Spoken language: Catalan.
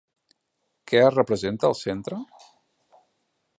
Què es representa al centre?